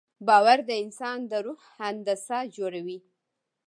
باور د انسان د روح هندسه جوړوي.